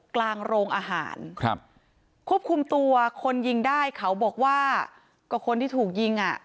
โรงอาหารครับควบคุมตัวคนยิงได้เขาบอกว่าก็คนที่ถูกยิงอ่ะ